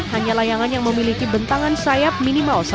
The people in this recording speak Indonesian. hanya layangan yang memiliki bentangan sayap minimal